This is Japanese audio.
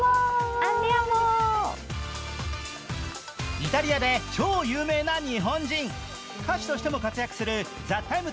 イタリアで超有名な日本人、歌手としても活躍する「ＴＨＥＴＩＭＥ，」